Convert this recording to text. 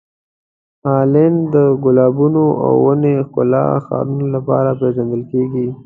هالنډ د ګلابونو او ونې ښکلې ښارونو لپاره پېژندل کیږي.